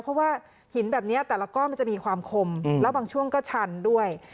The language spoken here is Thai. เพราะว่าหินแบบนี้แต่ละก้อนมันจะมีความคมแล้วบางช่วงก็ชันด้วย